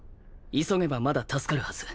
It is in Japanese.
急げばまだ助かるはず。